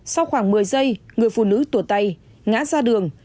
sau khoảng một mươi giây người phụ nữ tùa tay ngã ra đường